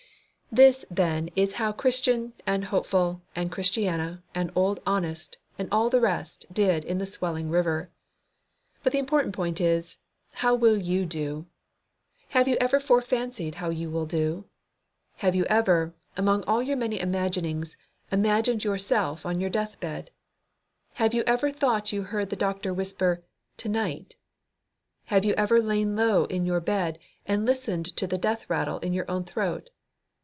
This, then, is how Christian and Hopeful and Christiana and Old Honest and all the rest did in the swelling river. But the important point is, HOW WILL YOU DO? Have you ever fore fancied how you will do? Have you ever, among all your many imaginings, imagined yourself on your deathbed? Have you ever thought you heard the doctor whisper, "To night"? Have you ever lain low in your bed and listened to the death rattle in your own throat?